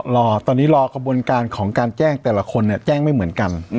รอตอนนี้รอกระบวนการของการแจ้งแต่ละคนเนี่ยแจ้งไม่เหมือนกัน